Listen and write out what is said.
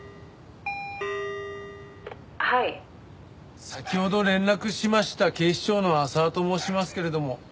「はい」先ほど連絡しました警視庁の浅輪と申しますけれども。